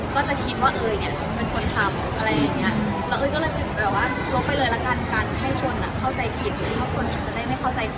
ขี้ลบรูปแหละคะก็อาจขี้ตอนแรก